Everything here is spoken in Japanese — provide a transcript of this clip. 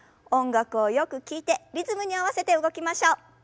音楽をよく聞いてリズムに合わせて動きましょう。